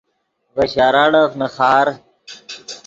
ڤے شراڑف نیخار